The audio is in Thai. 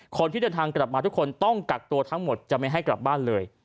คนที่เดินทางกลับมาทุกคนต้องกักตัวทั้งหมดจะไม่ให้กลับบ้านเลย